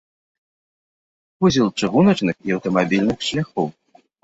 Вузел чыгуначных і аўтамабільных шляхоў.